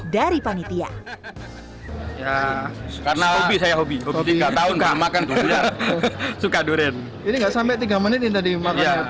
dari panitia karena hobi saya hobi hobi tiga tahun suka makan durian suka durian ini gak sampai tiga menit ini tadi makan durian